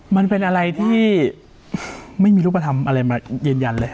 มันเป็นอะไรที่ไม่มีรูปธรรมอะไรมายืนยันเลย